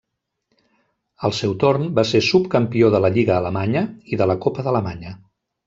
Al seu torn, va ser subcampió de la Lliga alemanya i de la Copa d'Alemanya.